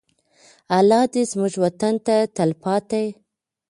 الله دې زموږ وطن ته تلپاته.